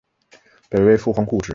北魏复还故治。